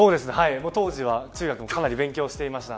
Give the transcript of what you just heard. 当時は中学もかなり勉強していました。